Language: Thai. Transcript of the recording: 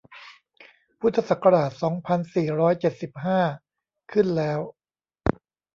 พุทธศักราช สองพันสี่ร้อยเจ็ดสิบห้า ขึ้นแล้ว